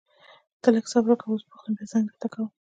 ته لږ صبر وکړه، اوس بوخت يم بيا زنګ درته کوم.